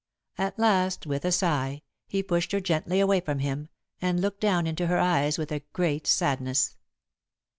At last, with a sigh, he pushed her gently away from him, and looked down into her eyes with a great sadness.